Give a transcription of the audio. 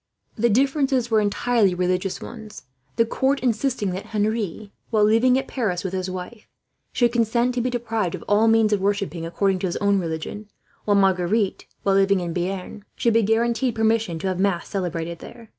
The differences were entirely religious ones, the court insisting that Henri, while living at Paris with his wife, should consent to be deprived of all means of worshipping according to his own religion; while Marguerite, while in Bearn, should be guaranteed permission to have mass celebrated there.